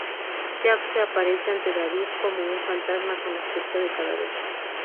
Jack se aparece ante David como un fantasma con aspecto de cadáver.